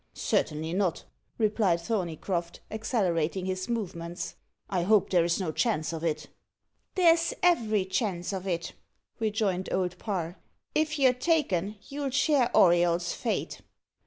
"Certainly not," replied Thorneycroft, accelerating his movements; "I hope there's no chance of it." "There's every chance of it," rejoined Old Parr. "If you're taken, you'll share Auriol's fate."